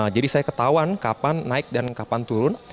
jadi saya ketahuan kapan naik dan kapan turun